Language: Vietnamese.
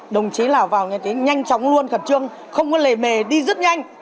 đồng chí nào vào như thế nhanh chóng luôn khẩn trương không có lề mề đi rất nhanh